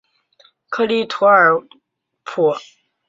克利图尔普。